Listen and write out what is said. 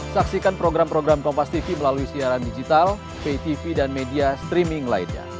saksikan program program kompastv melalui siaran digital paytv dan media streaming lainnya